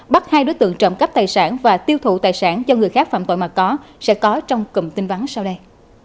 bắt hai đối tượng trọng cấp tài sản và tiêu thụ tài sản do người khác phạm tội mà có sẽ có trong cùng tin vắng sau đây